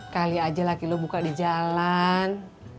kali aja laki lo buka di jalan